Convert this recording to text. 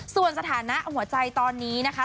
ส่วนสถานะหัวใจตอนนี้นะคะ